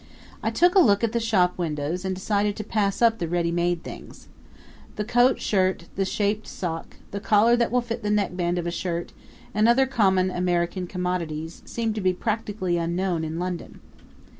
I took a look at the shop windows and decided to pass up the ready made things. The coat shirt; the shaped sock; the collar that will fit the neckband of a shirt, and other common American commodities, seemed to be practically unknown in London.